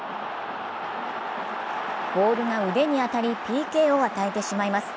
ボールが腕に当たりＰＫを与えてしまいます。